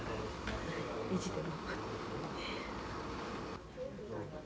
意地でも。